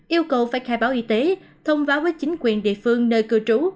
yêu cầu phải khai báo y tế thông báo với chính quyền địa phương nơi cư trú